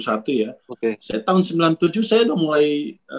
saya tahun sembilan puluh tujuh saya udah mulai